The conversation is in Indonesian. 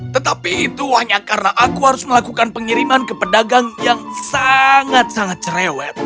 tetapi itu hanya karena aku harus melakukan pengiriman ke pedagang yang sangat sangat cerewet